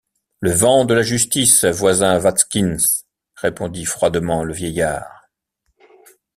Le vent de la justice, voisin Watkins! répondit froidement le vieillard.